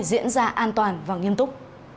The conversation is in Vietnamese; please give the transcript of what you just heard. diễn ra an toàn và nghiêm túc